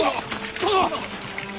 殿！